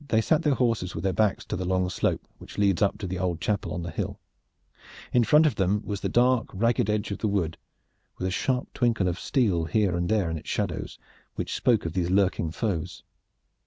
They sat their horses with their backs to the long slope which leads up to the old chapel on the hill. In front of them was the dark ragged edge of the wood, with a sharp twinkle of steel here and there in its shadows which spoke of these lurking foes.